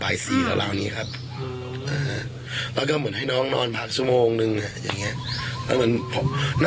อันที่นั้นแรกมันให้ดูว่าไหวไหมฮะ